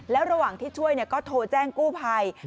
แล้วระหว่างที่ช่วยก็โทรแจ้งกู้ภัย